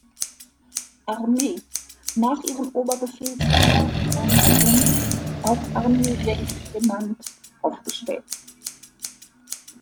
Armee, nach ihrem Oberbefehlshaber Walther Wenck auch Armee „Wenck“ genannt, aufgestellt.